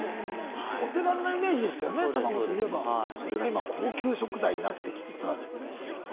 お手軽なイメージでしたよね、たまごといえば、それが今、高級食材になりつつある。